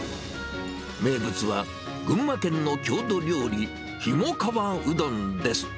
名物は、群馬県の郷土料理、ひもかわうどんです。